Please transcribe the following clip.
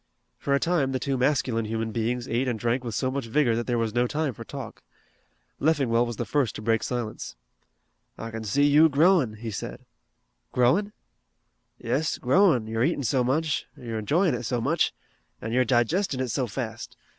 For a time the two masculine human beings ate and drank with so much vigor that there was no time for talk. Leffingwell was the first to break silence. "I kin see you growin'," he said. "Growing?" "Yes, growin', you're eatin' so much, you're enjoyin' it so much, an' you're digestin' it so fast.